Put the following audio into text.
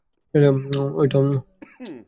এটা দেখতে কেমন?